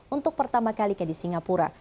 untuk pertama kali ke di singapura